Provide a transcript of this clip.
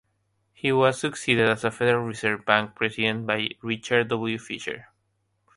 He was succeeded as Federal Reserve Bank President by Richard W. Fisher.